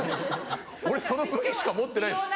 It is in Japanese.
俺その武器しか持ってないです。